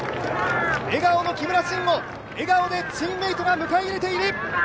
笑顔の木村慎を、笑顔でチームメイトが迎え入れている。